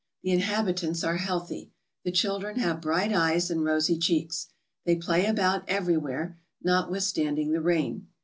The inhabitants are healthy. The children have bright eyes and rosy cheeks. They play about everywhere, notwithstanding the rain.